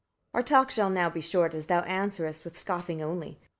Our talk shall now be short, as thou answerest with scoffing only.